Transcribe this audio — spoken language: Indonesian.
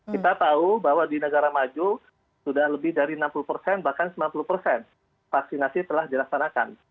kita tahu bahwa di negara maju sudah lebih dari enam puluh persen bahkan sembilan puluh persen vaksinasi telah dilaksanakan